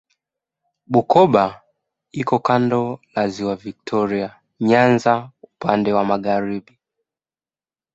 Bukoba iko kando la Ziwa Viktoria Nyanza upande wa magharibi.